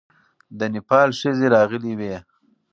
د نېپال ښځې راغلې وې.